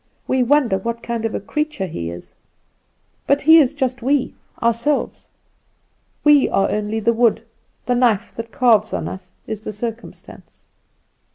We wonder what kind of a creature he is; but he is just we, ourselves. We are only the wood, the knife that carves on us is the circumstance.